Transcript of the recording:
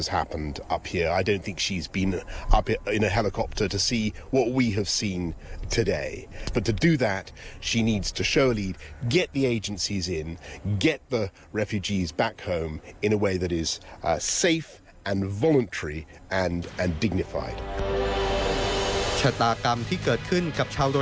ชะตากรรมที่เกิดขึ้นกับชาวโรหิงยาในรัฐยาไข่ทางตะวันตกสุดของพม่า